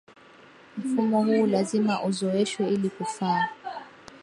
Mfumo huu lazima uzoeshwe ili kufaa